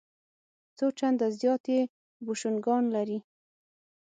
څو چنده زیات یې بوشونګان لري.